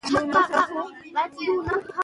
فرهنګ د انسان د هویت بنسټیزه برخه ده.